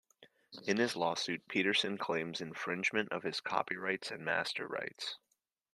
In his lawsuit Peterson claims infringement of his copyrights and master rights.